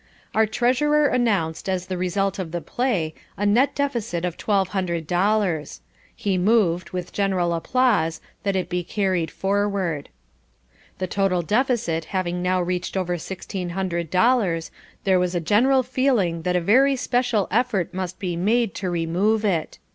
Our treasurer announced, as the result of the play, a net deficit of twelve hundred dollars. He moved, with general applause, that it be carried forward. The total deficit having now reached over sixteen hundred dollars, there was a general feeling that a very special effort must be made to remove it.